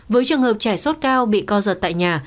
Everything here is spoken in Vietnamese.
với trường hợp trẻ sốt cao bị co giật tại nhà